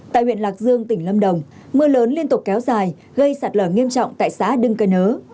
tại huyện lạc dương tỉnh lâm đồng mưa lớn liên tục kéo dài gây sạt lở nghiêm trọng tại xã đưng cơ nớ